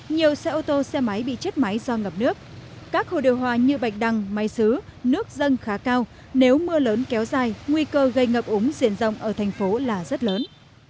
nhiều xe ô tô xe máy bị chết máy do ngập nước các hồ điều hòa như bạch đăng máy xứ nước dâng khá cao nếu mưa lớn kéo dài nguy cơ gây ngập úng diện rộng ở thành phố là rất lớn